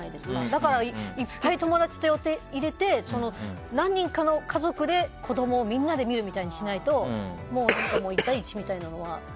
だから、いっぱい友達と予定を入れて、何人かの家族で子供をみんなで見るみたいにしないと１対１みたいなのは。